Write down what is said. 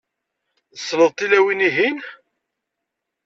Tessneḍ tilawin-ihin?